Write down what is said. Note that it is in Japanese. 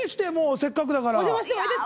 せっかくだから。